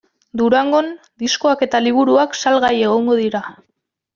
Durangon diskoak eta liburuak salgai egongo dira.